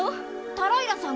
タライラさんが？